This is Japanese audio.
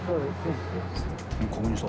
確認した。